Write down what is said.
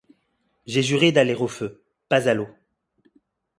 J'ai juré d'aller au feu, pas à l'eau.